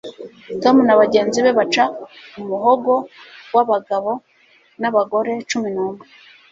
Tom na bagenzi be baca umuhogo wabagabo nabagore cumi numwe